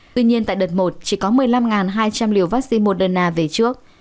tuy nhiên tại đợt một chỉ có một mươi năm hai trăm linh liều vaccine moderna về trước